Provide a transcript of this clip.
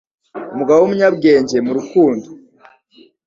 Umugabo w'umunyabwenge mu rukundo